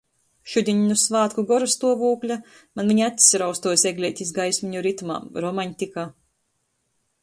Šudiņ nu svātku gorastuovūkļa maņ viņ acs raustuos egleitis gaismeņu ritmā. Romaņtika...